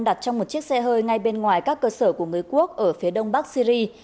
đặt trong một chiếc xe hơi ngay bên ngoài các cơ sở của người quốc ở phía đông bắc syri